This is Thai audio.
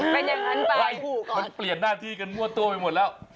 เป็นอย่างนั้นไปมันเปลี่ยนหน้าที่กันมั่วตัวไปหมดแล้ว